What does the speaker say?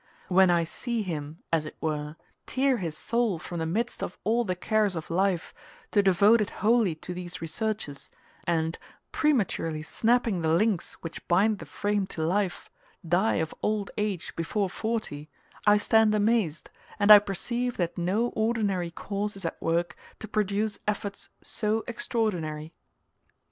When I see him, as it were, tear his soul from the midst of all the cares of life to devote it wholly to these researches, and, prematurely snapping the links which bind the frame to life, die of old age before forty, I stand amazed, and I perceive that no ordinary cause is at work to produce efforts so extra ordinary.